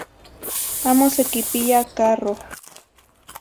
Amo sequipiya carroh.